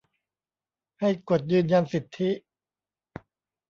ให้กดยืนยันสิทธิ